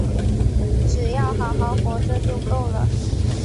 只要好好活着就够了